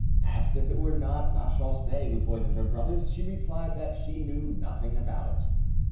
Asked if it were not Lachaussee who poisoned her brothers, she replied that she knew nothing about it.